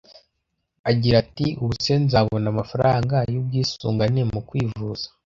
Agira ati “Ubuse nzabona amafaranga y’ubwisungane mu kwivuza